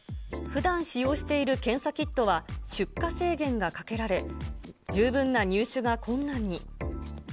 ふだん使用している検査キットは出荷制限がかけられ、十分な入手が困難に。